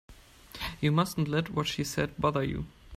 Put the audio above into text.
You mustn't let what she said bother you.